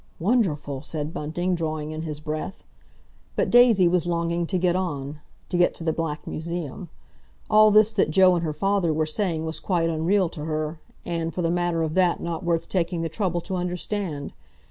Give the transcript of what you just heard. "Wonderful!" said Bunting, drawing in his breath. But Daisy was longing to get on—to get to the Black Museum. All this that Joe and her father were saying was quite unreal to her, and, for the matter of that not worth taking the trouble to understand.